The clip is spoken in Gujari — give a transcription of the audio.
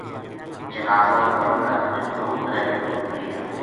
جنازو دفن کر کے دو ترے دن اُت رہیا